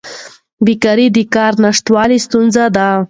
بیکاري د کار نشتوالي ستونزه ده.